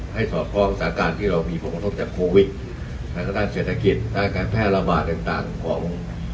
ให้สอดคล้องสถานการณ์ที่เรามีผลผลต้นจากโควิดทั้งกระทั่งเศรษฐกิจทั้งการแพร่ระบาดต่างต่างของ